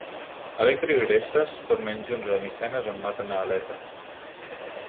Electra i Orestes tornen junts a Micenes on maten a Aletes.